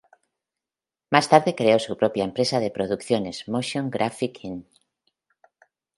Más tarde creó su propia empresa de producciones, Motion Graphics Inc.